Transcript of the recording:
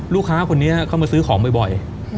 ลูกค้าคนนี้เข้ามาซื้อของบ่อย